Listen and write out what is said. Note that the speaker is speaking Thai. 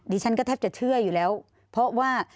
ฉันก็แทบจะเชื่ออยู่แล้วเพราะว่า